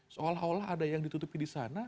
seolah olah ada yang ditutupi di sana